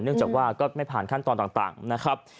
จากว่าก็ไม่ผ่านขั้นตอนต่างนะครับ